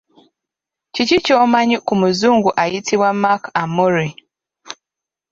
Kiki ky’omanyi ku muzungu ayitibwa Mark Amory?